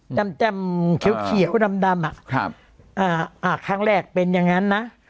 จำแจ่มเขียวเขียวดำดำอ่ะครับอ่าอ่าครั้งแรกเป็นอย่างนั้นนะ